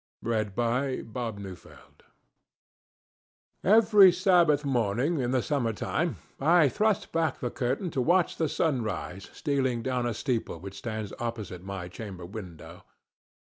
SUNDAY AT HOME Every Sabbath morning in the summer time I thrust back the curtain to watch the sunrise stealing down a steeple which stands opposite my chamber window.